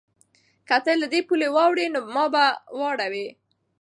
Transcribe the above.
که ته له دې پولې واوړې نو ما به واورې؟